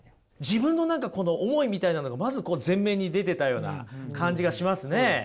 自分の何か思いみたいなのがまず前面に出てたような感じがしますね。